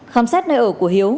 khám xét nơi ở của hiếu